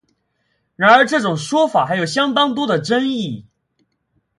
然而这种说法还有相当多的争议。